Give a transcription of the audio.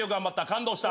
感動した」